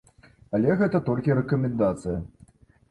Але гэта толькі рэкамендацыя.